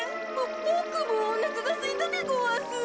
ボボクもおなかがすいたでごわす。